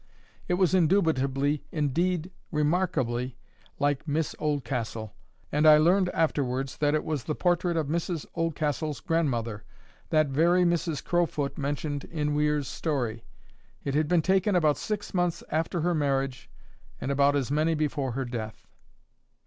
It was indubitably, indeed remarkably, like Miss Oldcastle. And I learned afterwards that it was the portrait of Mrs Oldcastle's grandmother, that very Mrs Crowfoot mentioned in Weir's story. It had been taken about six months after her marriage, and about as many before her death.